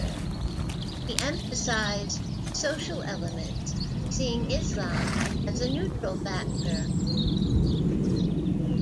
He emphasized social elements, seeing Islam as a neutral factor.